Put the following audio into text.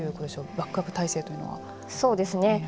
バックアップ体制というのは。